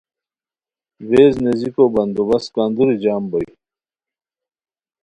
ویز نیزیکو بندو بست کندوری جم بوئے